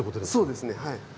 そうですねはい。